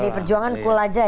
jadi perjuangan cool aja ya